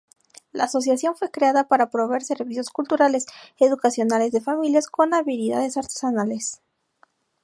La asociación fue creada para proveer servicios culturales, educacionales de familias con habilidades artesanales.